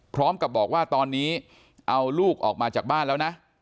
พร้อมกับบอกว่าตอนนี้เอาลูกออกมาจากบ้านแล้วนะ